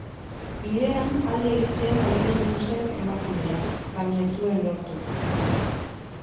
Bidean, alde egiten ahalegindu zen emakumea, baina ez zuen lortu.